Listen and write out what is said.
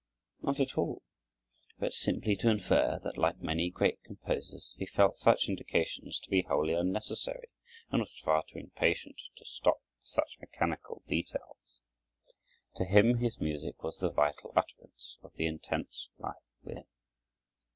Not at all; but simply to infer that, like many great composers, he felt such indications to be wholly unnecessary, and was far too impatient to stop for such mechanical details. To him his music was the vital utterance of the intense life within.